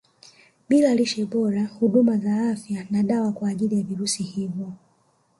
Bila lishe bora huduma za afya na dawa kwa ajili ya virusi hivo